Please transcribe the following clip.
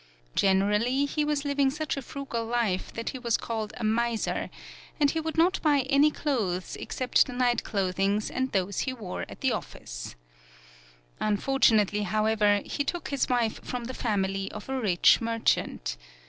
Generally he was liv ing such a frugal life that he was called a miser, and he would not buy any clothes except the night clothings and those he wore at the office. Unfortu 15 PAULOWNIA nately, however, he took his wife from the family of a rich merchant.